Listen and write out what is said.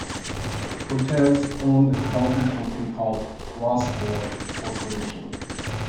Cortese owned a development company called Rossmoor Corporation.